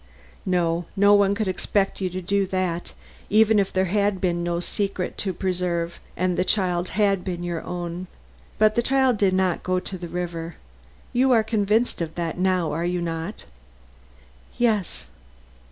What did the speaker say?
"No; no one could expect you to do that, even if there had been no secret to preserve and the child had been your own. But the child did not go to the river. You are convinced of that now, are you not?" "Yes."